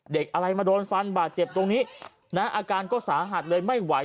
เด็กอะไรมาโดนฟันบาดเจ็บตรงนี้นะอาการก็สาหัสเลยไม่ไหว